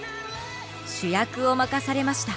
主役を任されました。